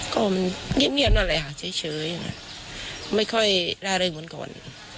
ก็มันเงียบนั่นแหละค่ะเฉยไม่ค่อยได้เหมือนก่อน